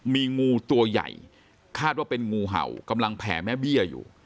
มีงูตัวใหญ่คาดว่าเป็นงูเห่ากำลังแผ่แม่เบี้ยอยู่